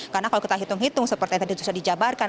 karena kalau kita hitung hitung seperti yang tadi sudah dijabarkan